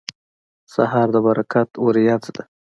سهار د برکت وریځ ده.